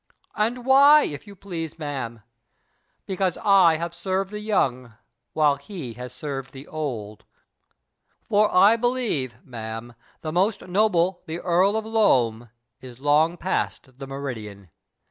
And wliy, if you please, ma'am ? liecause I have served the young, wliile he has served the old — for I believ^e, ma'am, the most noble the Earl of Loam is long past the meridian.